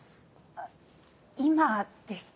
あっ今ですか？